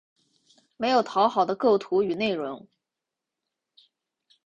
没有讨好的构图与内容